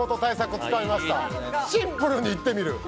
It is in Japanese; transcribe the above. シンプルにいってみる。